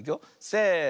せの。